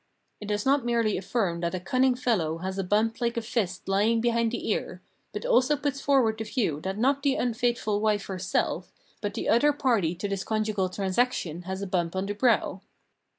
It does not merely affirm that a cunning fellow has a bump like a fist lying behind the ear, but also puts forward the view that not the unfaithful wife herself, but the other party to this conjugal transaction has a bump on the brow.